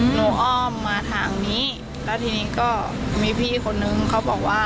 อ้อมมาทางนี้แล้วทีนี้ก็มีพี่คนนึงเขาบอกว่า